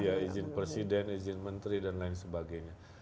iya izin presiden izin menteri dan lain sebagainya